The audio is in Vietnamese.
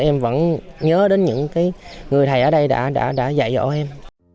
em vẫn nhớ đến những người thầy ở đây đã dạy dỗ em